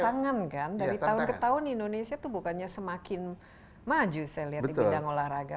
tantangan kan dari tahun ke tahun indonesia itu bukannya semakin maju saya lihat di bidang olahraga